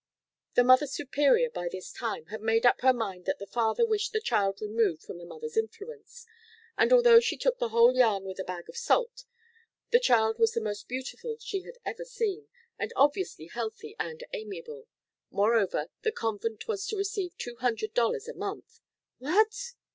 "The Mother Superior, by this time, had made up her mind that the father wished the child removed from the mother's influence, and although she took the whole yarn with a bag of salt, the child was the most beautiful she had ever seen, and obviously healthy and amiable. Moreover, the convent was to receive two hundred dollars a month " "What?"